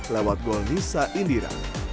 lewat gol nisa indira